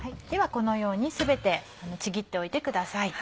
このように全てちぎっておいてください。